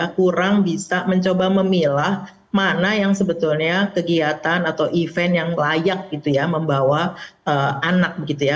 kurang bisa mencoba memilah mana yang sebetulnya kegiatan atau event yang layak gitu ya membawa anak begitu ya